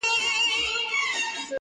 حقيقت ورو ورو پټيږي ډېر ژر-